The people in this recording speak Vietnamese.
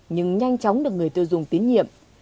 nhưng nhanh chóng được người tiêu dùng tiến nhiệm